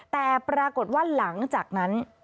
แต่ปรากฏว่าหลังจากนั้น